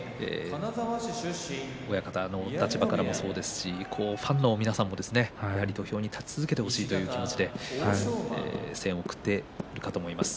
親方の立場からもそうですしファンの皆さんも土俵に立ち続けてほしいということで声援を送っていたと思います。